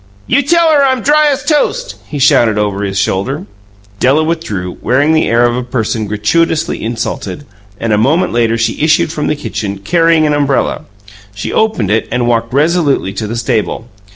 "You tell her I'm dry as toast!" he shouted over his shoulder. Della withdrew, wearing the air of a person gratuitously insulted; and a moment later she issued from the kitchen, carrying an umbrella. She opened it and walked resolutely to the stable.